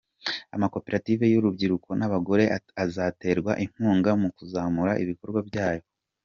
Amakoperative y’urubyiruko n’abagore azaterwa inkunga mu kuzamura ibikorwa byabo.